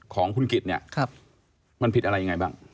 ของคุณกิจเนี่ยมันผิดอะไรยังไงบ้าง